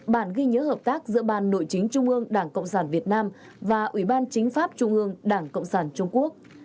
sáu bản ghi nhớ hợp tác giữa ban nội chính trung ương đảng cộng sản việt nam và ủy ban chính pháp trung ương đảng cộng sản trung quốc